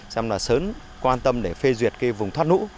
xem là sớm quan tâm để phê duyệt cái vùng thắt nũ